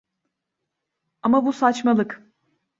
Ama bu saçmalık.